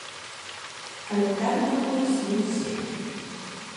Але так думаюць не ўсе.